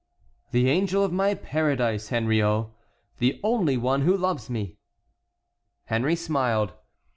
"The angel of my paradise, Henriot, the only one who loves me." Henry smiled.